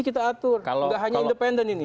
kita atur kalau nggak hanya independen ini